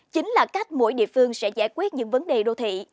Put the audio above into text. chính là cách mỗi địa phương sẽ giải quyết những vấn đề đô thị